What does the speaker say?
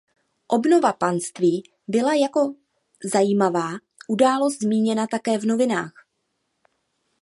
Obnova panství byla jako zajímavá událost zmíněna také v novinách.